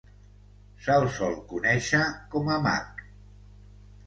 Se'l sol conèixer com a "Mac".